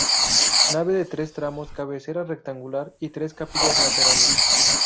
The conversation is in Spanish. Nave de tres tramos, cabecera rectangular y tres capillas laterales.